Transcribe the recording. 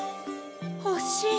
ほしい。